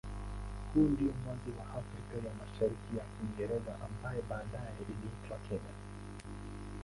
Huo ndio mwanzo wa Afrika ya Mashariki ya Kiingereza ambaye baadaye iliitwa Kenya.